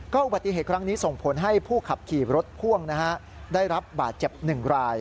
อุบัติเหตุครั้งนี้ส่งผลให้ผู้ขับขี่รถพ่วงนะฮะได้รับบาดเจ็บ๑ราย